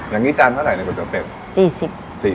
อย่างนี้จานเท่าไหร่ในก๋วยเตี๋ยวเป็ด๔๐ภ